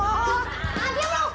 aduh diam lu